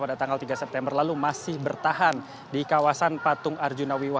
pada tanggal tiga september lalu masih bertahan di kawasan patung arjuna wiwa